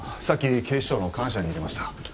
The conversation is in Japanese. さっき警視庁の官舎に入れました。